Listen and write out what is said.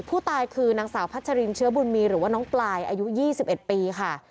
ผู้ตายคือนางสาวพัชรินเชื้อบุญมีหรือว่าน้องปลายอายุ๒๑ปีค่ะ